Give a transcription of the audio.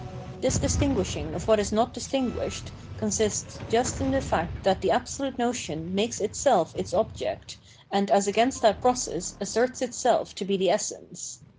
This distinguishing of what is not distinguished consists just in the fact that the absolute notion makes itself its object, and as against that process asserts itself to be the essence.